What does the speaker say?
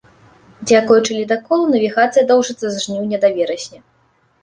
Дзякуючы ледаколу навігацыя доўжыцца з жніўня да верасня.